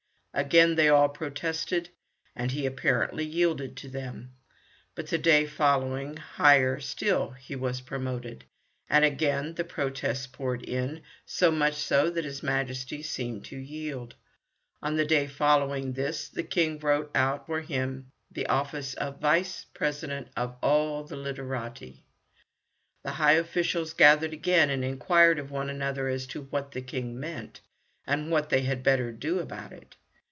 Again they all protested and he apparently yielded to them. But the day following higher still he was promoted, and again the protests poured in, so much so that his Majesty seemed to yield. On the day following this the King wrote out for him the office of Vice President of all the Literati. The high officials gathered again and inquired of one another as to what the King meant, and what they had better do about it.